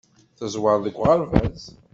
Teẓwer deg uɣerbaz.